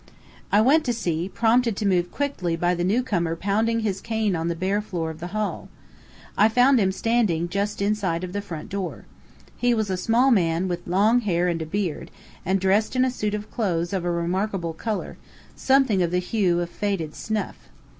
I went to see, prompted to move quickly by the new comer pounding his cane on the bare floor of the hall. I found him standing just inside of the front door. He was a small man, with long hair and beard, and dressed in a suit of clothes of a remarkable color, something of the hue of faded snuff.